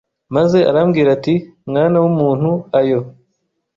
Maze arambwira ati Mwana w umuntu ayo